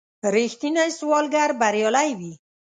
رښتینی سوداګر بریالی وي.